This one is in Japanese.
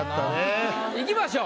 いきましょう。